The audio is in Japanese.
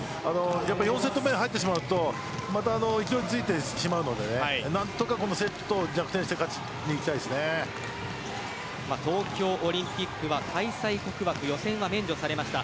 ４セット目に入ってしまうとまた勢いづいてしまうので何とか、このセットで逆転して東京オリンピックは開催国枠予選は免除されました。